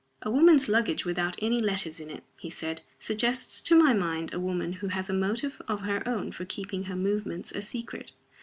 "A woman's luggage without any letters in it," he said, "suggests to my mind a woman who has a motive of her own for keeping her movements a secret.